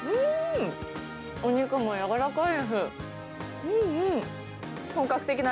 お肉もやわらかいです。